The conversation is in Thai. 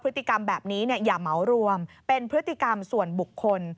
พฤติกรรมแบบนี้อย่าเหมารวมเป็นพฤติกรรมส่วนบุคคล